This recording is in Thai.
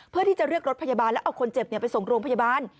เพื่อที่จะเรียกรถพยาบาลแล้วเอาคนเจ็บไปส่งโรงพยาบาล